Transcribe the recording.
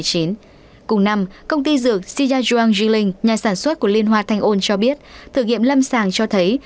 cùng năm công ty dược sijiazhuang jilin nhà sản xuất của liên hoa thanh ôn cho biết thử nghiệm lâm sàng cho thấy